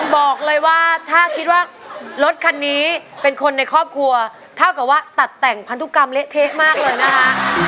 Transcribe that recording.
บอกเลยว่าถ้าคิดว่ารถคันนี้เป็นคนในครอบครัวเท่ากับว่าตัดแต่งพันธุกรรมเละเทะมากเลยนะคะ